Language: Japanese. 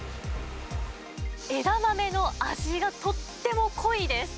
枝豆の味が、とっても濃いです。